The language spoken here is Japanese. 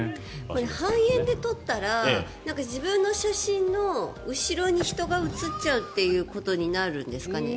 半円で撮ったら自分の写真の後ろに人が映っちゃうっていうことになるんですかね。